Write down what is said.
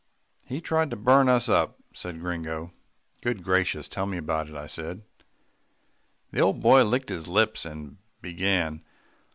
"He tried to burn us up," said Gringo. "Good gracious! tell me about it," I said. The old boy licked his lips and began.